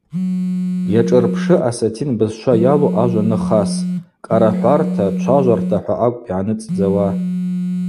Йашӏырпшы асатин бызшва йалу ажва ныхас, кӏарахӏварта, чважварта—хӏва акӏвпӏ йгӏаныцӏдзауа.